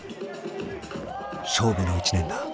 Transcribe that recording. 勝負の１年だ。